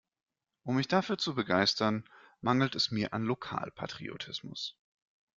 Um mich dafür zu begeistern, mangelt es mir an Lokalpatriotismus.